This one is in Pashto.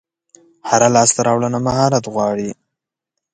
هره لاسته راوړنه مهارت غواړي.